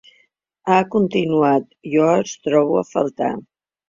Ha continuat: Jo els trobo a faltar.